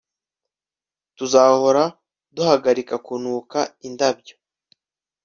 tuzahora duhagarika kunuka indabyo